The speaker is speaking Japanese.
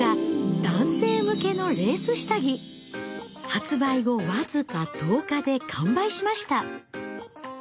発売後僅か１０日で完売しました。